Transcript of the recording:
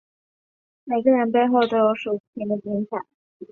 每个人背后都有数不清的精彩